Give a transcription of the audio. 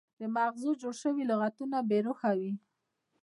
د مغزو جوړ شوي لغتونه بې روحه وي.